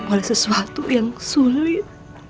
oleh sesuatu yang sulit